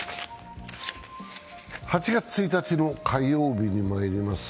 ８月１日の火曜日にまいります。